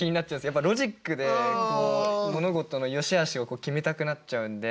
やっぱロジックで物事のよしあしを決めたくなっちゃうんで。